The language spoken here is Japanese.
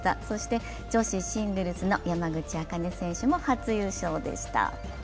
そして女子シングルスの山口茜選手も初優勝でした。